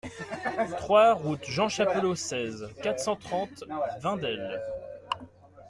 trois route Jean Chapelot, seize, quatre cent trente, Vindelle